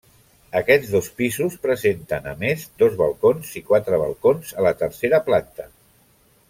Aquests dos pisos presenten a més, dos balcons, i quatre balcons a la tercera planta.